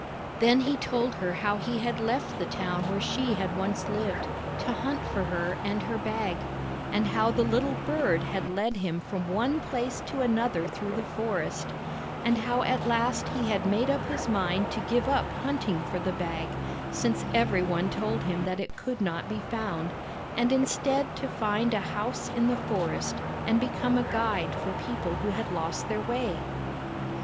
" Then he told her how he had left the town where she had once lived, to hunt for her and her Bag, and how the little bird had led him from one place to another through the forest, and how at last he had made up his mind to give up hunting for the Bag, since every one told him that it could not be found, and instead to find a house in the forest and become a guide for people who had lost their way.